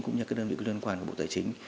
cũng như đơn vị liên quan của bộ tài chính